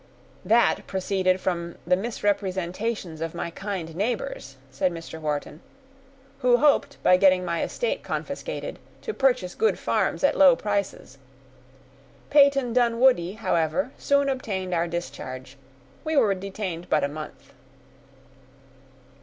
"That proceeded from the misrepresentations of my kind neighbors," said Mr. Wharton, "who hoped, by getting my estate confiscated, to purchase good farms at low prices. Peyton Dunwoodie, however, soon obtained our discharge; we were detained but a month."